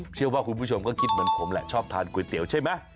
คุณผู้ชมก็คิดเหมือนผมแหละชอบทานก๋วยเตี๋ยวใช่ไหม